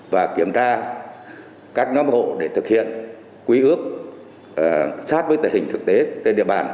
và kiểm tra các nhóm hộ để thực hiện quý ước sát với tình hình thực tế trên địa bàn